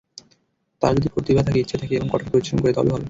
তার যদি প্রতিভা থাকে, ইচ্ছে থাকে এবং কঠোর পরিশ্রম করে, তবে হবে।